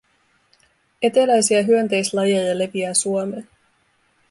Eteläisiä hyönteislajeja leviää Suomeen.